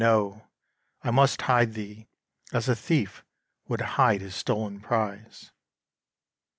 No! I must hide Thee as a thief would hide his stolen prize.